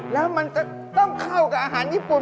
แล้วมันจะต้องเข้ากับอาหารญี่ปุ่น